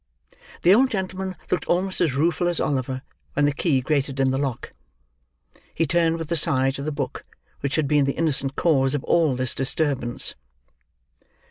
The old gentleman looked almost as rueful as Oliver when the key grated in the lock. He turned with a sigh to the book, which had been the innocent cause of all this disturbance.